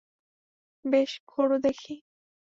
বেশ, ঘোরো দেখি।